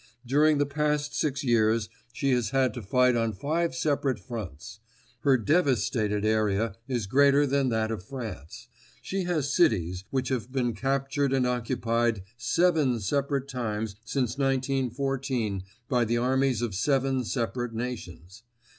During the past six years she has had to fight on five separate fronts. Her devastated area is greater than that of France. She has cities which have been captured and occupied seven separate times since 1914 by the armies of seven separate nations.